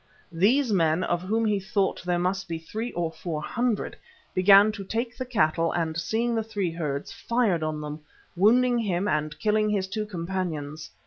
These men, of whom he thought there must be three or four hundred, began to take the cattle and seeing the three herds, fired on them, wounding him and killing his two companions.